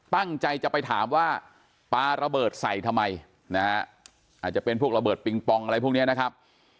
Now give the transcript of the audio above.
ตั้งใจจะไปถามว่าปลาระเบิดใส่ทำไมนะฮะอาจจะเป็นพวกระเบิดปิงปองอะไรพวกนี้นะครับ